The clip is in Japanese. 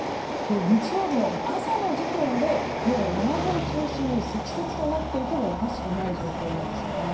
日曜日の朝の時点でもう山沿い中心に積雪となっていてもおかしくない状況なんですよね。